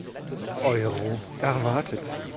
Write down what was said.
Euro erwartet.